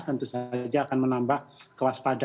tentu saja akan menambah kewaspadaan